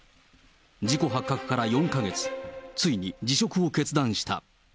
事故発覚から４か月、ついに辞職を決断した。